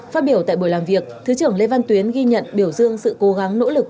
phát biểu tại buổi làm việc thứ trưởng lê văn tuyến ghi nhận biểu dương sự cố gắng nỗ lực